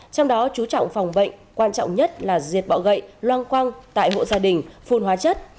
trong đó chú trọng phòng bệnh quan trọng nhất là diệt bọ gậy loang quang tại hộ gia đình phun hóa chất